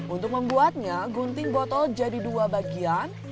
untuk membuatnya gunting botol jadi dua bagian